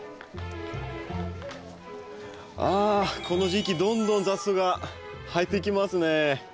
ああこの時期どんどん雑草が生えてきますね。